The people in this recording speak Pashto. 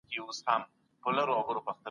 منطقي تسلسل د موضوع په روښانولو کي مرسته کوي.